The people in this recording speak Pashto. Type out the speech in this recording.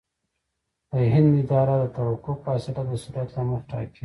د هند اداره د توقف فاصله د سرعت له مخې ټاکي